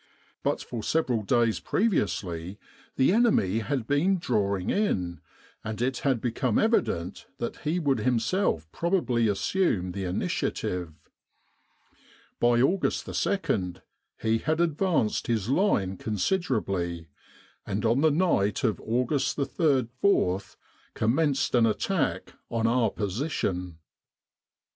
But for several days previously the enemy had been drawing in, and it had become evident that he would himself probably assume the initiative. By August 2 he had advanced his line considerably, and on the night of August 3 4 com menced an attack on our position.